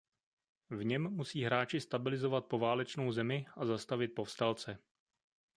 V něm musí hráči stabilizovat poválečnou zemi a zastavit povstalce.